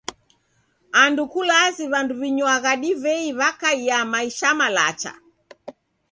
Andu kulazi w'andu w'inywagha divei w'akaia na maisha malacha.